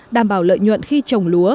đảm bảo lợi nhuận khi trồng